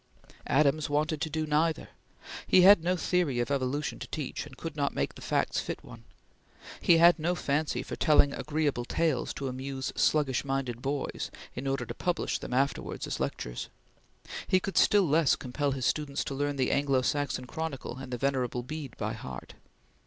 Adams wanted to do neither. He had no theory of evolution to teach, and could not make the facts fit one. He had no fancy for telling agreeable tales to amuse sluggish minded boys, in order to publish them afterwards as lectures. He could still less compel his students to learn the Anglo Saxon Chronicle and the Venerable Bede by heart.